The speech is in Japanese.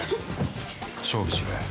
勝負しろよ。